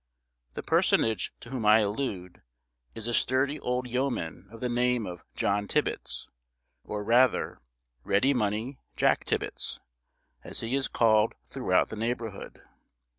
The personage to whom I allude is a sturdy old yeoman of the name of John Tibbets, or rather Ready Money Jack Tibbets, as he is called throughout the neighbourhood.